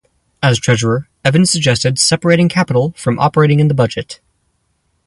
As Treasurer, Evans suggested separating capital from operating in the budget.